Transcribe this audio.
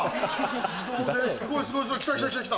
自動ですごいすごい来た来た。